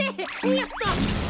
よっと。